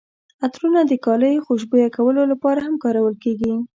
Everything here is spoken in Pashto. عطرونه د کالیو خوشبویه کولو لپاره هم کارول کیږي.